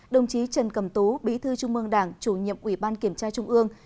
đồng chí trần cầm tú bí thư trung mương đảng chủ nhiệm ủy ban kiểm tra trung ương